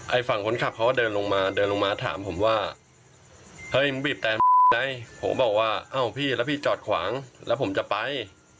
ฝั่งคนขับเขาก็เดินลงมาเดินลงมาถามผมว่าเฮ้ยมึงบีบแต่ผมก็บอกว่าเอ้าพี่แล้วพี่จอดขวางแล้วผมจะไป